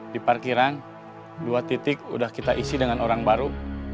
di parkiran dua titik sudah kita isi dengan orang baru